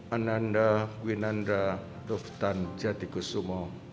ananda winanda duftan jatikusumo